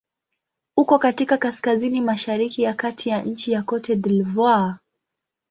Uko katika kaskazini-mashariki ya kati ya nchi Cote d'Ivoire.